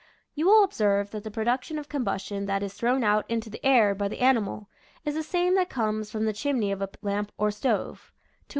You will observe that the prod uct of combustion that is thrown out into the air by the animal is the same that comes from the chimney of a lamp or stove, to wit, car / i